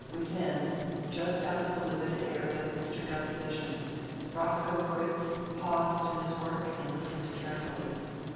Within, just out of the limited area of Mr. Gubb's vision, Roscoe Critz paused in his work and listened carefully.